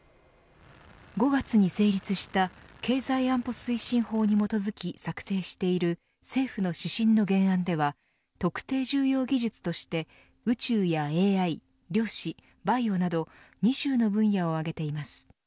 ５月に成立した経済安保推進法に基づき策定している政府の指針の原案では特定重要技術として宇宙やＡＩ、量子バイオなど２０の分野を挙げています。